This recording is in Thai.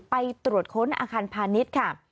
ไปตรวจค้นอาคารพาณิชย์ค่ะ